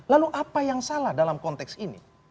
lalu apa yang salah dalam konteks ini